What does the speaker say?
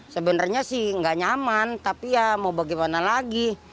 sebenarnya sih nggak nyaman tapi ya mau bagaimana lagi